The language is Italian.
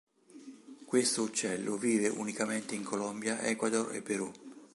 Questo uccello vive unicamente in Colombia, Ecuador e Perù.